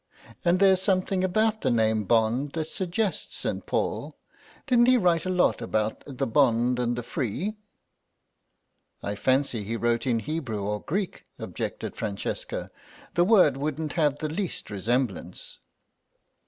And there's something about the name Bond that suggests St. Paul; didn't he write a lot about the bond and the free?" "I fancy he wrote in Hebrew or Greek," objected Francesca; "the word wouldn't have the least resemblance."